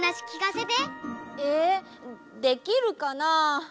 えできるかな？